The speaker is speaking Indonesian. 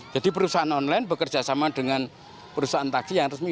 jadi perusahaan online bekerja sama dengan perusahaan taksi yang resmi